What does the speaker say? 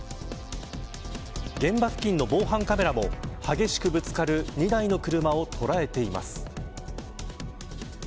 現場付近の防犯カメラも激しくぶつかる２台の車を捉えています。